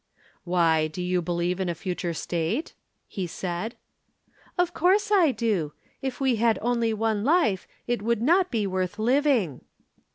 "Why, do you believe in a future state?" he said. "Of course I do. If we had only one life, it would not be worth living."